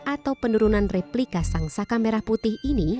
atau penurunan replika sang saka merah putih ini